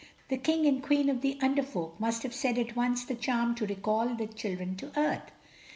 The King and Queen of the Under Folk must have said at once the charm to recall the children to earth.